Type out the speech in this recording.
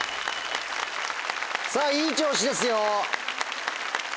さぁいい調子ですよ。